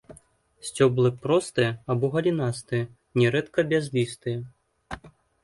Сцёблы простыя або галінастыя, нярэдка бязлістыя.